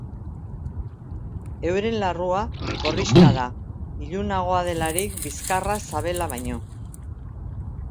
Euren larrua gorrixka da, ilunagoa delarik bizkarra sabela baino.